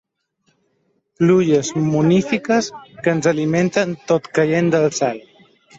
Pluges munífiques que ens alimenten tot caient del cel.